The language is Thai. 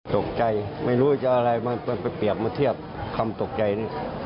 ตกใจไม่รู้จะอะไรมันไปเปรียบมาเทียบคำตกใจนี่